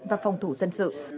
và phòng thủ dân sự